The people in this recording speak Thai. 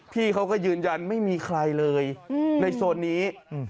พี่เขาก็ยืนยันไม่มีใครเลยในโซนนี้